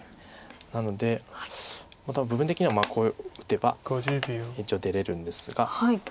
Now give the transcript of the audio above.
なので多分部分的にはこう打てば一応出れるんですが。